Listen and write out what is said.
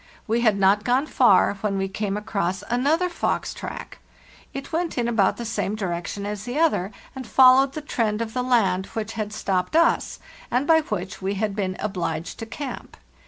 We had not gone far when we came across another fox track ; it went in about the same direction as the other, and followed the trend of the land which had stopped us, and by which we had been obliged to camp.